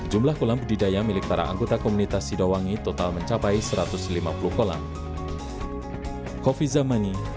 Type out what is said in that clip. jumlah kolam budidaya milik para anggota komunitas sidowangi total mencapai satu ratus lima puluh kolam